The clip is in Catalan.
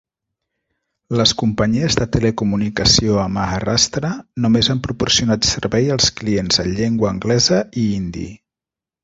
Les companyies de telecomunicació a Maharashtra només han proporcionat servei als clients en llengua anglesa i hindi.